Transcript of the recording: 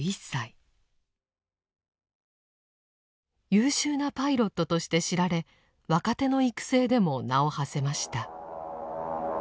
優秀なパイロットとして知られ若手の育成でも名をはせました。